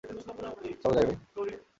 চল যাই ভাই।